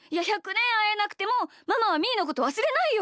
あえなくてもママはみーのことわすれないよ。